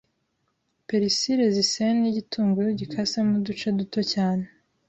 perisire ziseye n’igitunguru gikasemo uduce duto cyane